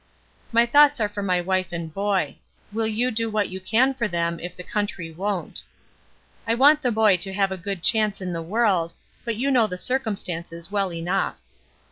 My thoughts are for my wife and boy. Will you do what you can for them if the country won't. I want the boy to have a good chance in the world, but you know the circumstances well enough.